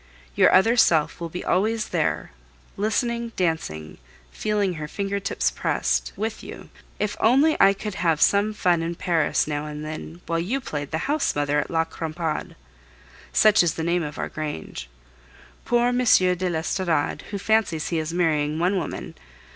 Your other self will be always there listening, dancing, feeling her finger tips pressed with you. If only I could have some fun in Paris now and then, while you played the house mother at La Crampade! such is the name of our grange. Poor M. de l'Estorade, who fancies he is marrying one woman!